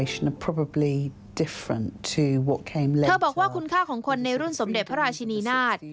เธอบอกว่าคุณค่าของคนในรุ่นสมเด็จพระราชินีนาฏ